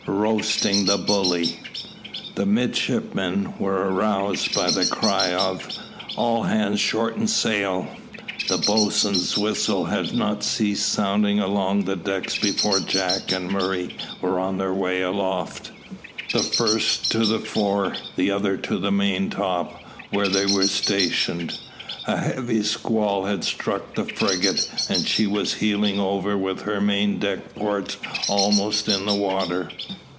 ROASTING THE BULLY. The midshipmen were aroused by the cry of "All hands shorten sail!" The boatswain's whistle had not ceased sounding along the decks before Jack and Murray were on their way aloft, the first to the fore, the other to the maintop, where they were stationed. A heavy squall had struck the frigate, and she was heeling over with her main deck ports almost in the water.